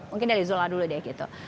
mungkin dari zola dulu deh gitu